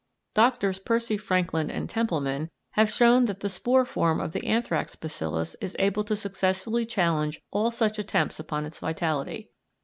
Doctors Percy Frankland and Templeman have shown that the spore form of the anthrax bacillus is able to successfully challenge all such attempts upon its vitality.